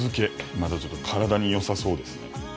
何かちょっと体に良さそうですね。